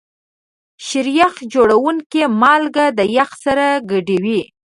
شیریخ جوړونکي مالګه د یخ سره ګډوي.